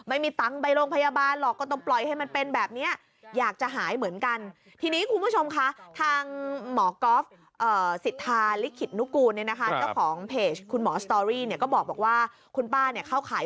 เอาแล้วก็เป็นแผลเป็นแผลแล้วก็อ่าไปใต้